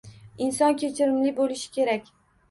Inson kechirimli bo'lishi kerak